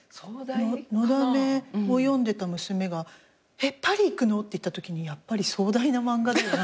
『のだめ』を読んでた娘が「えっパリ行くの？」って言ったときにやっぱり壮大な漫画だよなと。